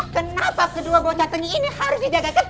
kenapa kedua bocah tunggi ini harus didagak ketat